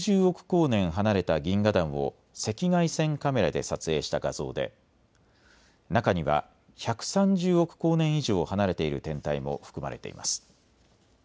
光年離れた銀河団を赤外線カメラで撮影した画像で中には１３０億光年以上、離れている天体も含まれています。